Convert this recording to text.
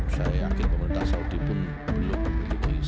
saya yakin pemerintah saudi pun belum memiliki